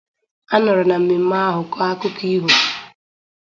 a nọrọ na mmemme ahụ kọọ akụkọ ihò